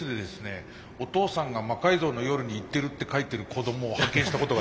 お父さんが「魔改造の夜」に行ってるって書いてる子供を発見したことがあります。